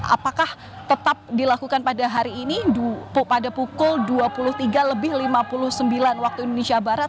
apakah tetap dilakukan pada hari ini pada pukul dua puluh tiga lebih lima puluh sembilan waktu indonesia barat